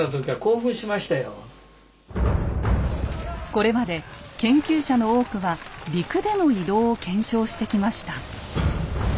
これまで研究者の多くは陸での移動を検証してきました。